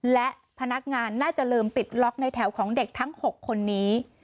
และพนักงานน่าจะลืมปิดล็อกในแถวของเด็กทั้ง๖คนนี้